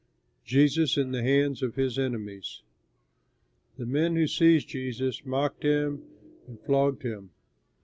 JESUS IN THE HANDS OF HIS ENEMIES The men who seized Jesus mocked him and flogged him.